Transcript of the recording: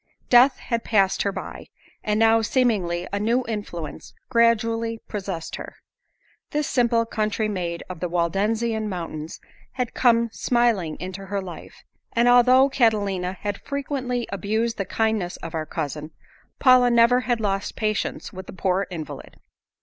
Death had passed her by, but now seemingly a new influence gradually possessed her. This simple country maid of the Waldensian mountains had come smiling into her life, and although Catalina had frequently abused the kindness of our cousin, Paula never had lost patience with the poor invalid.